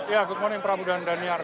ya good morning prabu dan daniar